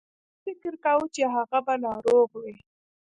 ما فکر کاوه چې هغه به ناروغ وي.